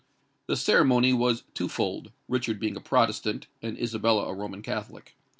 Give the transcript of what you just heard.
The ceremony was twofold, Richard being a Protestant and Isabella a Roman Catholic.